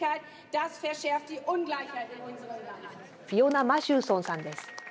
フィオナ・マシューソンさんです。